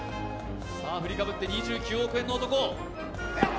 振りかぶって、２９億円の男。